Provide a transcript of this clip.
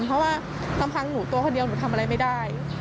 เพราะว่าลำพังหนูตัวคนเดียวหนูทำอะไรไม่ได้